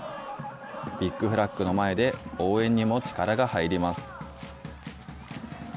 ビッグフラッグの前で、応援にも力が入ります。